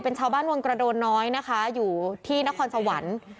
เป็นชาวบ้านวังกระโดนน้อยนะคะอยู่ที่นครสวรรค์